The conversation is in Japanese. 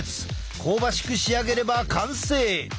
香ばしく仕上げれば完成！